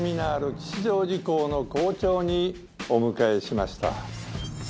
吉祥寺校の校長にお迎えしました。